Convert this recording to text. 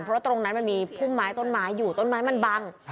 เพราะตรงนั้นมันมีพุ่มไม้ต้นไม้อยู่ต้นไม้มันบัง